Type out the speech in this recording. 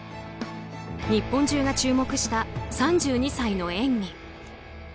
日本中が注目した３２歳の演技。